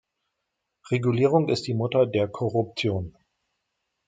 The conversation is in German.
Regulierung ist die Mutter der Korruption.